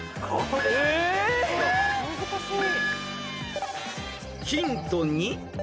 難しい。